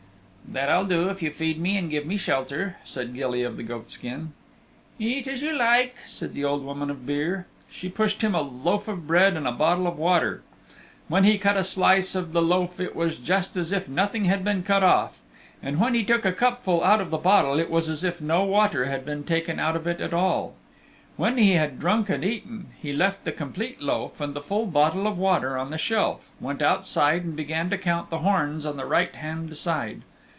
"That I'll do if you feed me and give me shelter," said Gilly of the Goatskin. "Eat as you like," said the Old Woman of Beare. She pushed him a loaf of bread and a bottle of water. When he cut a slice of the loaf it was just as if nothing had been cut off, and when he took a cupful out of the bottle it was as if no water had been taken out of it at all. When he had drunk and eaten he left the complete loaf and the full bottle of water on the shelf, went outside and began to count the horns on the right hand side.